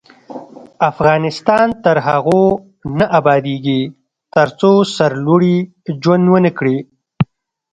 افغانستان تر هغو نه ابادیږي، ترڅو سرلوړي ژوند ونه کړو.